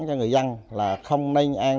cho người dân là không nên ăn